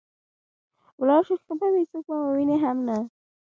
ولاړ شو ښه به وي، څوک به مو ویني هم نه.